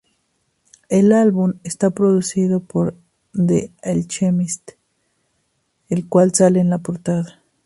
El álbum está producido por The Alchemist, el cual sale en la portada.